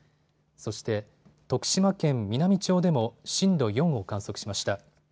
そして徳島県美波町でも震度４を観測しました。